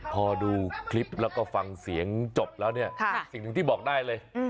พอดูคลิปแล้วก็ฟังเสียงจบแล้วเนี่ยสิ่งหนึ่งที่บอกได้เลย